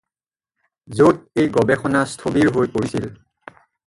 য'ত এই গৱেষণা স্থবিৰ হৈ পৰিছিল।